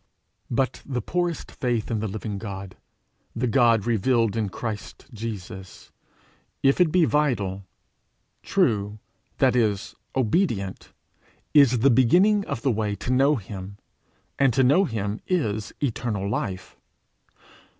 But the poorest faith in the living God, the God revealed in Christ Jesus, if it be vital, true, that is obedient, is the beginning of the way to know him, and to know him is eternal life.